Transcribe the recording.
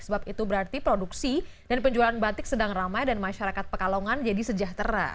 sebab itu berarti produksi dan penjualan batik sedang ramai dan masyarakat pekalongan jadi sejahtera